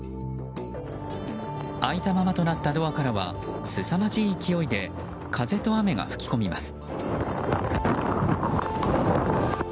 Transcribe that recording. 開いたままとなったドアからはすさまじい勢いで風と雨が吹き込みます。